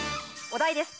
お題です